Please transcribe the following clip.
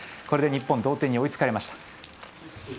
日本、同点に追いつかれました。